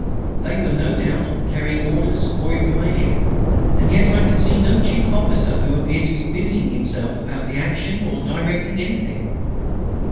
They were, no doubt, carrying orders or information. And yet I could see no chief officer who appeared to be busying himself about the action or directing anything.